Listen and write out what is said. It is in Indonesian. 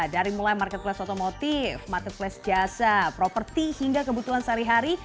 dari mulai marketplace otomotif marketplace jasa properti hingga kebutuhan sehari hari